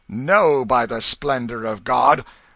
No, by the splendour of God!